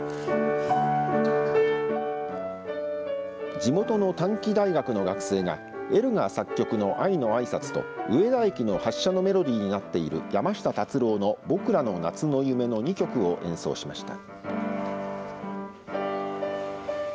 地元の短期大学の学生がエルガー作曲の愛の挨拶と上田駅の発車のメロディーになっている山下達郎の僕らの夏の夢の２曲を演奏しました。